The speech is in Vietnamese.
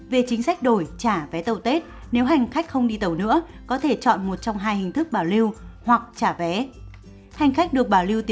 về chính sách đổi trả vé tàu tết